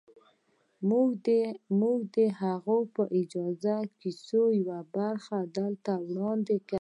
موږ د هغه په اجازه د کیسې یوه برخه دلته وړاندې کوو